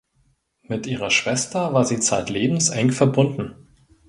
Mit ihrer Schwester war sie zeitlebens eng verbunden.